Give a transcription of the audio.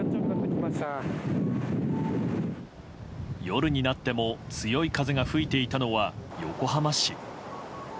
夜になっても強い風が吹いていたのは横浜市。